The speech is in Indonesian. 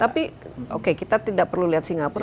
tapi oke kita tidak perlu lihat singapura